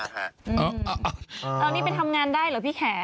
อันนี้ไปทำงานได้เหรอพี่แข